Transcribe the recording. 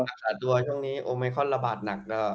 รักษาตัวช่วงนี้โอเมคอนระบาดหนัก